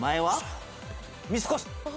三越。